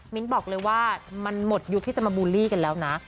บอกเลยว่ามันหมดยุคที่จะมาบูลลี่กันแล้วนะ